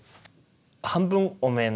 半分お面。